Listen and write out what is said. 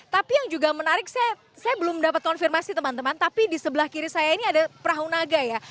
tapi yang juga menarik saya belum dapat konfirmasi teman teman tapi di sebelah kiri saya ini ada perahu naga ya